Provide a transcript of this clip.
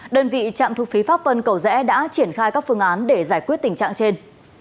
đơn vị trạm thu phí pháp vân cầu rẽ đã triển khai các phương án để giải quyết tình trạng trên